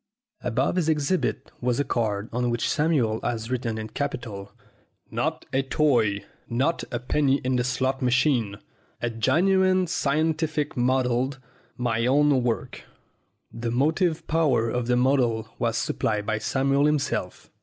Above his exhibit was a card on which Samuel had written in capitals : NOT A TOY NOT A PENNY IN THE SLOT MACHIN A GENUINE SCIENTIFIC MODDLE MY OWN WORK The motive power of the model was supplied by Samuel himself.